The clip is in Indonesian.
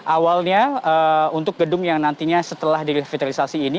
awalnya untuk gedung yang nantinya setelah di revitalisasi ini